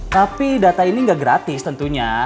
tapi data ini nggak gratis tentunya